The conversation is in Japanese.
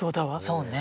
そうね。